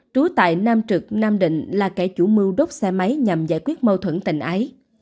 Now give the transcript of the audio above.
trú tại nam trực nam định là kẻ chủ mưu đốt xe máy nhằm giải quyết mâu thuẫn tình ái